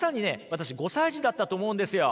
私５歳児だったと思うんですよ。